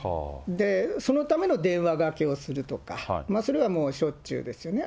そのための電話がけをするとか、それはしょっちゅうですよね。